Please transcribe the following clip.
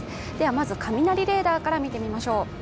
まず雷レーダーから見てみましょう。